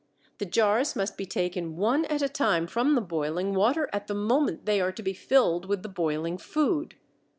The jars must be taken one at a time from the boiling water at the moment they are to be filled with the boiling food.